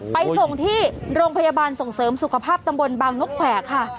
ไปส่งที่โรงพยาบาลส่งเสริมสุขภาพตำบลบางนกแขวกค่ะ